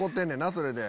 それで。